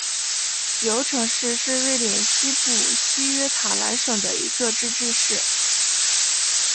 尤城市是瑞典西部西约塔兰省的一个自治市。